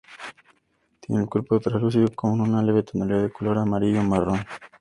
Tiene el cuerpo traslúcido con una leve tonalidad de color amarillo o marrón.